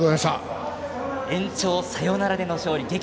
延長サヨナラでの勝利。